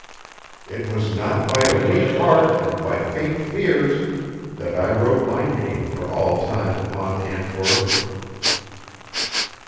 It was not by a weak heart and by faint fears that I wrote my name for all time upon Antwerp."